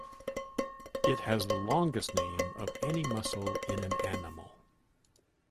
It has the longest name of any muscle in an animal.